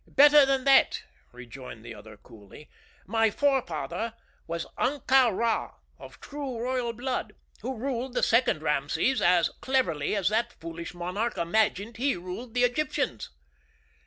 "Better than that," rejoined the other, coolly. "My forefather was Ahtka Rā, of true royal blood, who ruled the second Rameses as cleverly as that foolish monarch imagined he ruled the Egyptians."